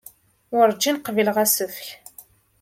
Werǧin qbileɣ asefk.